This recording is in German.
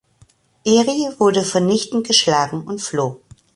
Eri wurde vernichtend geschlagen und floh.